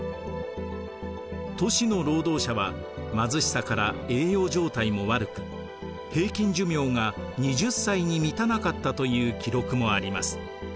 都市の労働者は貧しさから栄養状態も悪く平均寿命が２０歳に満たなかったという記録もあります。